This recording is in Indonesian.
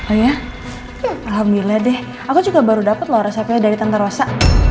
oh ya alhamdulillah deh aku juga baru dapet loh resepnya dari tante rosa